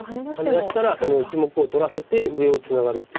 ハネ出したらその１目を取らせて上をツナがるっていう。